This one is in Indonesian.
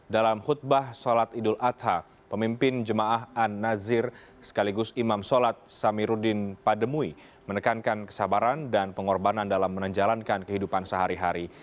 dalam khutbah sholat idul adha pemimpin jemaah an nazir sekaligus imam sholat samiruddin pademui menekankan kesabaran dan pengorbanan dalam menjalankan kehidupan sehari hari